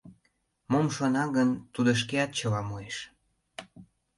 — Мом шона гын, тудо шкеат чыла муэш.